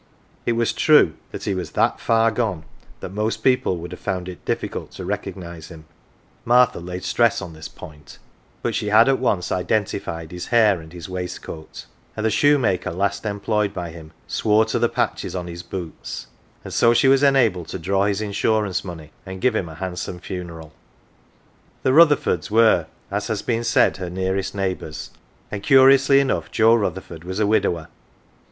It was true he was that far 147 AUNT JINNY . gone that most people would have found it difficult to recognise him Martha laid stress on this point but she had at once identified his hair and his waistcoat ; and the shoemaker last employed by him swore to the patches on his boots ; and so she was enabled to draw his insurance money and to give him a handsome funeral. The Rutherfords were, as has been said, her nearest neighbours, and curiously enough Joe Rutherford was a widower.